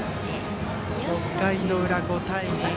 ６回の裏、５対２。